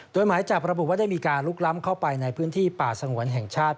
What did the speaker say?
โดยหมายจับระบุว่าได้มีการลุกล้ำเข้าไปในพื้นที่ป่าสงวนแห่งชาติ